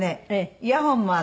イヤホンも。